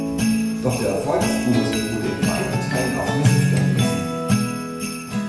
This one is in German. Doch der Erfolg des Buches beruhte in weiten Teilen auf Missverständnissen.